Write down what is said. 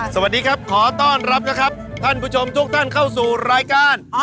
สวัสดีครับขอต้อนรับนะครับท่านผู้ชมทุกท่านเข้าสู่รายการ